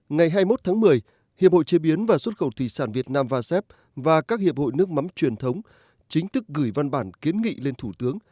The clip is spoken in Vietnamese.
ngày hai mươi một tháng một mươi hiệp hội chế biến và xuất khẩu thủy sản việt nam vasep và các hiệp hội nước mắm truyền thống chính thức gửi văn bản kiến nghị lên thủ tướng